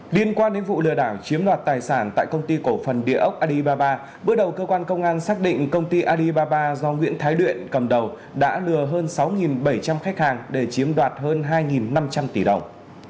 liên quan đến vụ lừa đảo chiếm đoạt tài sản tại công ty cổ phần địa ốc alibaba bước đầu cơ quan công an xác định công ty alibaba do nguyễn thái luyện cầm đầu đã lừa hơn sáu bảy trăm linh khách hàng để chiếm đoạt hơn hai năm trăm linh tỷ đồng